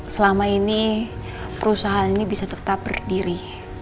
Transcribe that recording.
selama ini perusahaan ini bisa tetap berdiri